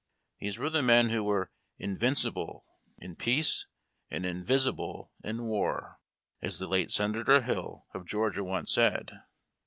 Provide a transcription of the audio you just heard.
These were the men who were "invincible in peace and invisible in war," as the late Senator Hill, of Georgia, once said.